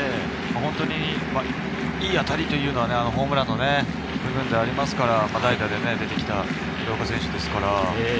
いい当たりというのは、ホームランの部分ではありますから、代打で出てきた廣岡選手。